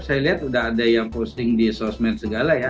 saya sudah ada yang posting di sosmed segala ya